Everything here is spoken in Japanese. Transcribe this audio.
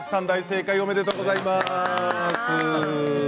大正解、おめでとうございます。